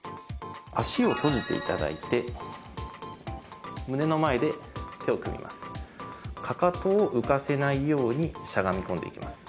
足を閉じていただいて胸の前で手を組みますかかとを浮かせないようにしゃがみ込んでいきます